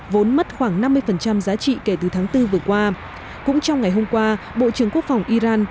vốn mất khoảng năm mươi giá trị kể từ tháng bốn vừa qua cũng trong ngày hôm qua bộ trưởng quốc phòng iran